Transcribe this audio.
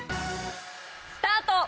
スタート！